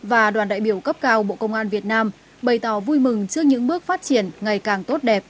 và đoàn đại biểu cấp cao bộ công an việt nam bày tỏ vui mừng trước những bước phát triển ngày càng tốt đẹp